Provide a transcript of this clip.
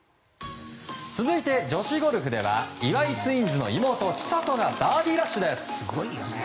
続いて、女子ゴルフでは岩井ツインズの妹千怜がバーディーラッシュです。